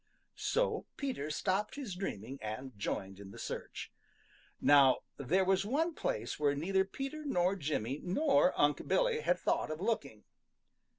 So Peter stopped his dreaming and joined in the search. Now there was one place where neither Peter nor Jimmy nor Unc' Billy had thought of looking.